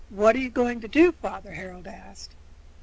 "What are you going to do, father?" Harold asked.